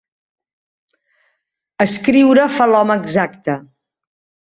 Escriure fa l'home exacte.